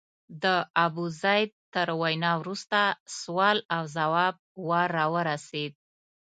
د ابوزید تر وینا وروسته سوال او ځواب وار راورسېد.